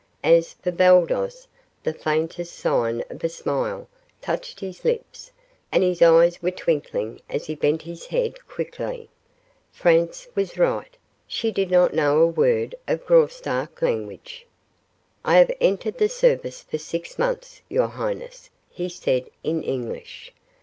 As for Baldos, the faintest sign of a smile touched his lips and his eyes were twinkling as he bent his head quickly. Franz was right; she did not know a word of the Graustark language. "I have entered the service for six months, your highness," he said in English.